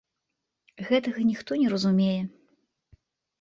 Гэтага ніхто не зразумее.